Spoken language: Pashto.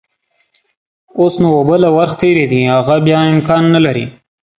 اوس نو اوبه له ورخ تېرې دي، هغه بيا امکان نلري.